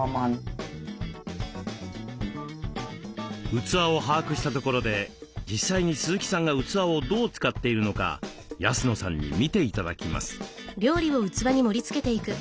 器を把握したところで実際に鈴木さんが器をどう使っているのか安野さんに見て頂きます。